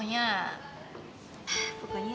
nah ini pohonnya